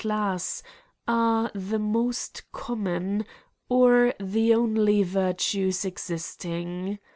^ elass) are the most common, or the only virtues existing.